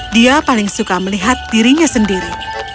dia paling suka melihat dirinya sendiri